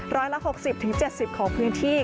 ร้อยละ๖๐๗๐ของพื้นที่